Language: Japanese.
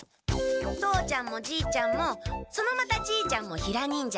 父ちゃんもじいちゃんもそのまたじいちゃんもヒラ忍者。